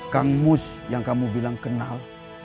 kang mus yang kamu bilang kenal